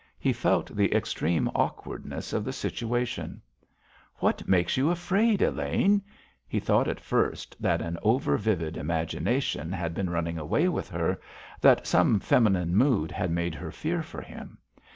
He felt the extreme awkwardness of the situation. "What made you afraid, Elaine?" He thought at first that an over vivid imagination had been running away with her, that some feminine mood had made her fear for him.